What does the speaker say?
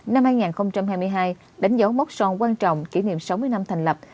năm hai nghìn hai mươi hai đánh dấu mốc son quan trọng kỷ niệm sáu mươi năm thành lập